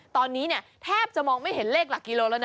ตอนนี้แทบจะมองไม่เห็นเลขหลักกิโลแล้วนะ